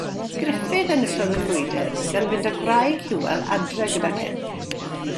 Gruffudd enillodd y frwydr gan fynd â gwraig Hywel adre gydag ef.